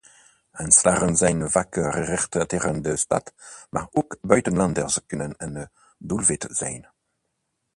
Aanslagen zijn vaak gericht tegen de staat, maar ook buitenlanders kunnen een doelwit zijn.